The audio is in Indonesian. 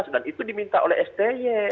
dan itu diminta oleh sde